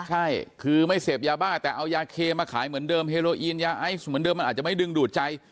ใช่คือไม่เสพยาบ้าแต่เอายาเคมาขายเหมือนเดิมเฮโรอีนยาไอซ์เหมือนเดิมมันอาจจะไม่ดึงดูดใจ